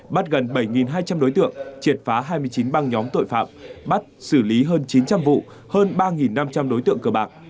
bắt gần bảy hai trăm linh đối tượng triệt phá hai mươi chín băng nhóm tội phạm bắt xử lý hơn chín trăm linh vụ hơn ba năm trăm linh đối tượng cờ bạc